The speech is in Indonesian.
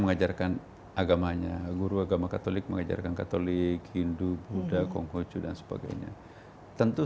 mengajarkan agamanya guru agama katolik mengajarkan katolik hindu buddha kongkocu dan sebagainya tentu